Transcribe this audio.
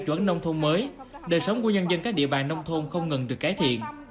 chuẩn nông thôn mới đời sống của nhân dân các địa bàn nông thôn không ngừng được cải thiện